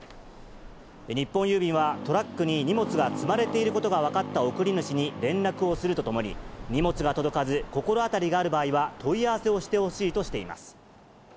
日本郵便は、トラックに荷物が積まれていることが分かった送り主に連絡をするとともに、荷物が届かず、心当たりがある場合は、問い合わせをしてほしいとしています。